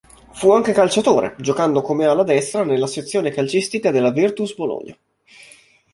Fu anche calciatore, giocando come ala destra nella sezione calcistica della Virtus Bologna.